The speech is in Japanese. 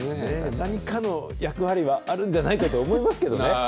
何かの役割はあるんじゃないかとは思いますけどね。